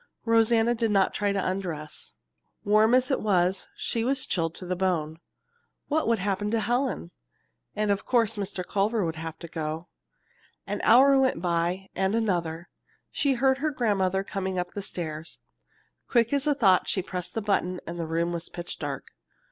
Rosanna did not try to undress. Warm as it was, she was chilled to the bone. What would happen to Helen? And of course Mr. Culver would have to go. An hour went by, and another. She heard her grandmother coming up the stairs. Quick as thought she pressed the button and the room was pitch dark.